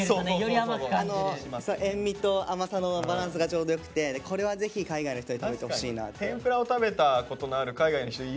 塩みと甘さのバランスがちょうどよくてこれはぜひ海外の人に食べてほしいなって。